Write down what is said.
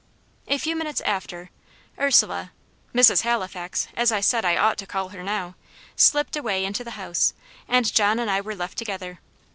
A few minutes after, Ursula "Mrs. Halifax," as I said I ought to call her now slipped away into the house, and John and I were left together.